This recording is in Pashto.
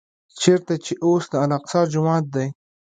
چېرته چې اوس د الاقصی جومات دی.